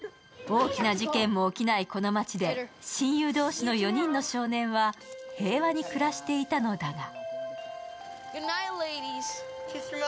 大きな事件も起きないこの街で親友同士の４人の少年は平和に暮らしていたのだが。